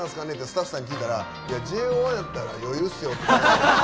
スタッフさんに聞いたらＪＯ１やったら余裕っすよって。